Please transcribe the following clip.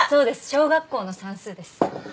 小学校の算数です。